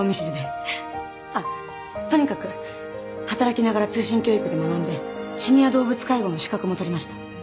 あっとにかく働きながら通信教育で学んでシニア動物介護の資格も取りました。